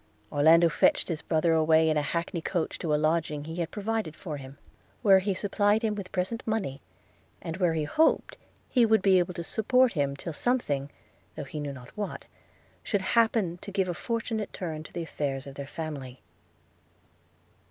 Orlando fetched his brother away in a hackney coach to a lodging he had provided for him; where he supplied him with present money, and where he hoped he should be able to support him till something (though he knew not what) should happen to give a fortunate turn to the affairs of their family.